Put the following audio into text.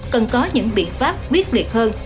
cần có những biện pháp viết liệt hơn